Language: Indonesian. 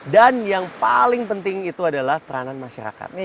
dan yang paling penting itu adalah peranan masyarakat